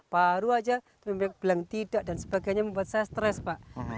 baru saja bilang tidak dan sebagainya membuat saya stres pak